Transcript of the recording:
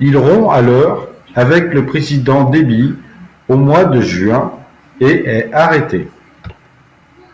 Il rompt alors avec le président Déby au mois de juin et est arrêté.